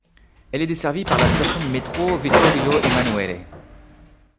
Elle est desservie par la station de métro Vittorio Emanuele.